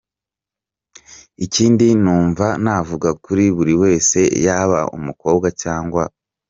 Ikindi numva navuga kuri buri wese yaba umukobwa cg.